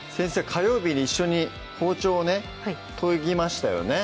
火曜日に一緒に包丁をね研ぎましたよね